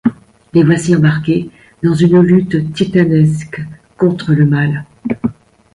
Les voici embarqués dans une lutte titanesque contre le mal.